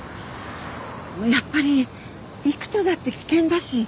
やっぱり育田だって危険だし。